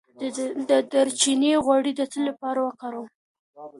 د دارچینی غوړي د څه لپاره وکاروم؟